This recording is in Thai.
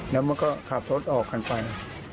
แล้วมันก็ขับรถออกกันไป